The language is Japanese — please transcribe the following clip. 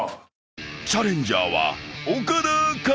［チャレンジャーは］